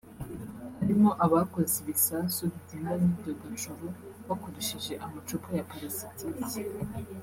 harimo abakoze ibisasu bigenda nk’ibyogajuru bakoresheje amacupa ya palasitiki